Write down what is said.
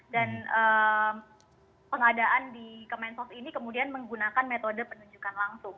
dan pengadaan di kemensos ini kemudian menggunakan metode penunjukan langsung